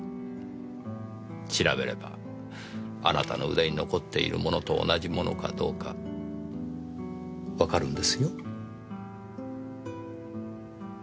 調べればあなたの腕に残っているものと同じものかどうかわかるんですよ。